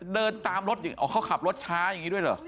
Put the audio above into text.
เดินตามรถอย่างนี้เขาขับรถช้าอย่างนี้ด้วยหรือ